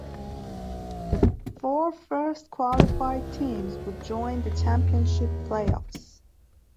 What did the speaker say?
The four first qualified teams would join the championship playoffs.